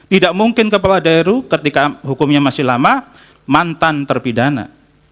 tidak mungkin kepala daerah ketika hukumnya masih lama mantan terpidana